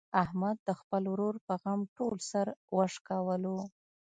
احمد د خپل ورور په غم ټول سر و شکولو.